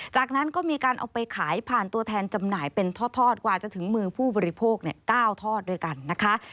จากนั้นก็มีการเอาไปขายผ่านตัวแทนจำหน่ายเป็นทอดกว่าจะถึงมือผู้บริโภค๙ทอดด้วยกันนะคะ